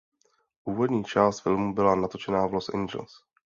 Úvodní část filmu byla natočena v Los Angeles.